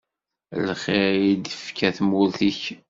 Lxir i d-tefka tmurt-ik.